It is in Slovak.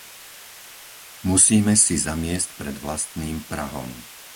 Musíme si zamiesť pred vlastným prahom.